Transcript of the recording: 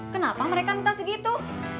kenapa mereka minta segitu